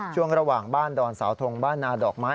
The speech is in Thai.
ช่วงระหว่างบ้านดอนเสาทงบ้านนาดอกไม้